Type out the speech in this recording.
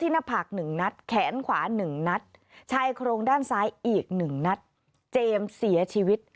อีกหนึ่งนัดเจมส์เสียชีวิต